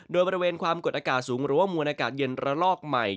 โดยบริเวณความกดอากาศสูงหรือว่ามวลอากาศเย็นระลอกใหม่